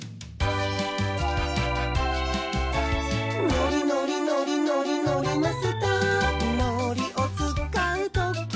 「のりのりのりのりのりマスター」「のりをつかうときは」